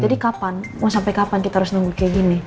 jadi kapan mau sampe kapan kita harus nunggu kayak gini